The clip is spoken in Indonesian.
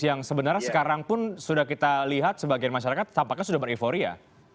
yang sebenarnya sekarang pun sudah kita lihat sebagian masyarakat tampaknya sudah beriforia